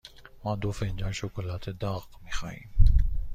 ما دو فنجان شکلات داغ می خواهیم.